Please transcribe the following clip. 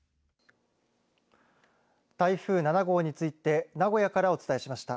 台風７号について名古屋からお伝えしました。